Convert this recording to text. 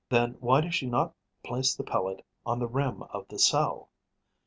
Then why does she not place the pellet on the rim of the cell?